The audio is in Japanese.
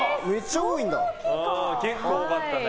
結構多かったね。